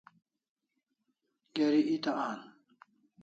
Geri eta an